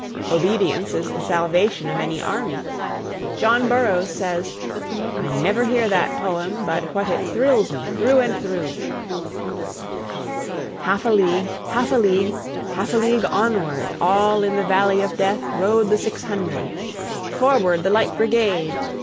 Obedience is the salvation of any army. John Burroughs says: "I never hear that poem but what it thrills me through and through." Half a league, half a league, Half a league onward, All in the valley of Death Rode the six hundred. "Forward, the Light Brigade!